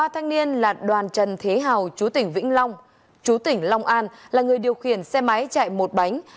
ba thanh niên là đoàn trần thế hào chú tỉnh vĩnh long chú tỉnh long an là người điều khiển xe máy chạy một bánh